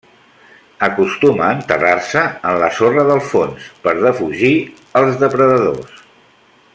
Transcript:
Acostuma a enterrar-se en la sorra del fons per defugir els depredadors.